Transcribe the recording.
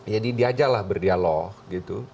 ya diajarlah berdialog gitu